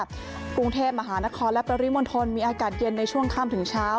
กรุงเทพมหานครและปริมณฑลมีอากาศเย็นในช่วงค่ำถึงเช้า